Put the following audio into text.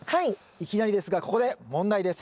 いきなりですがここで問題です。